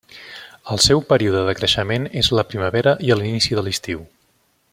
El seu període de creixement és a la primavera i a l'inici de l'estiu.